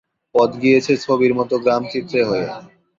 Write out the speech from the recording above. পথ গিয়েছে ছবির মতো গ্রাম চিত্রে হয়ে।